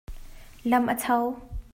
Lam a cho.